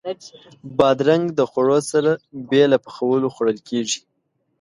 بادرنګ د خوړو سره بې له پخولو خوړل کېږي.